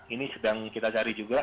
ini sedang kita cari juga